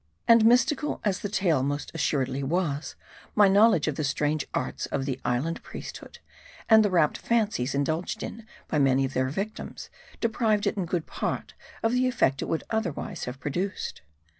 And mystical as the tale most assuredly was, my knowledge of the strange arts of the island priesthood, and the rapt fancies indulged in by many of their victims, deprived it in good part of the effect it otherwise would have produced.